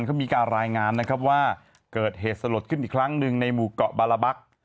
เขามีการรายงานนะครับว่าเกิดเหตุสลดขึ้นอีกครั้งหนึ่งในหมู่เกาะบาลาบัก